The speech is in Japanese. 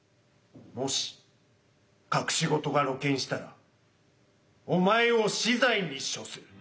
もし隠し事が露見したらお前を死罪に処する。